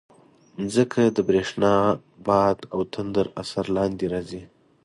مځکه د برېښنا، باد او تندر اثر لاندې راځي.